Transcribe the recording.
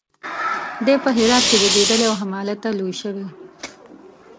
دی په هرات کې زیږېدلی او همالته لوی شوی.